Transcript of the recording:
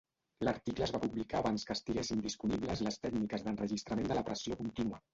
L'article es va publicar abans que estiguessin disponibles les tècniques d'enregistrament de la pressió contínua.